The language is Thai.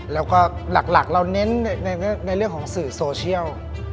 แล้วก็หลักเราเน้นในเรื่องของสื่อโซเชียล